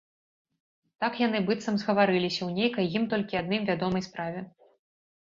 Так яны быццам згаварыліся ў нейкай ім толькі адным вядомай справе.